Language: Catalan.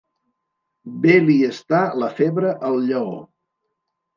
Bé li està la febre al lleó.